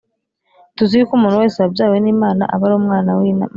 Tuzi yuko umuntu wese wabyawe n Imana aba ari umwana w imana